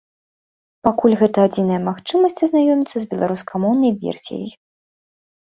Пакуль гэта адзіная магчымасць азнаёміцца з беларускамоўнай версіяй.